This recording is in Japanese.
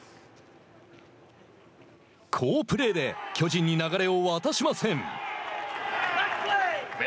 好プレーで巨人に流れを渡しません。